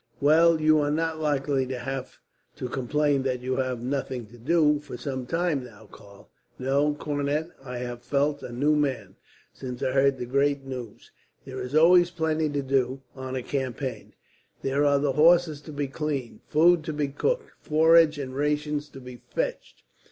"Well, you are not likely to have to complain that you have nothing to do, for some time now, Karl." "No, cornet. I have felt a new man, since I heard the great news. There is always plenty to do, on a campaign. There are the horses to be cleaned, food to be cooked, forage and rations to be fetched.